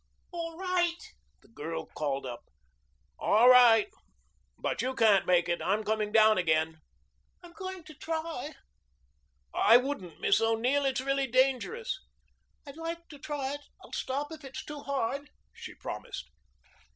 "All right?" the girl called up. "All right. But you can't make it. I'm coming down again." "I'm going to try." "I wouldn't, Miss O'Neill. It's really dangerous." "I'd like to try it. I'll stop if it's too hard," she promised.